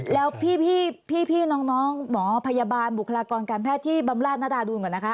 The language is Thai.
แล้วพี่น้องหมอพยาบาลบุคลากรการแพทย์ที่บำราชนดาดูนก่อนนะคะ